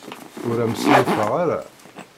Ur am-ssurufeɣ ara.